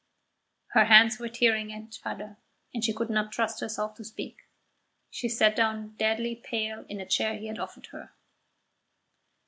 Her hands were tearing each other, and she could not trust herself to speak. She sat down deadly pale in the chair he had offered her.